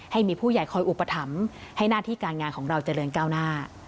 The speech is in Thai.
ให้มีผู้ใหญ่คอยอุปถัมภ์ให้หน้าที่การงานของเราเจริญก้าวหน้า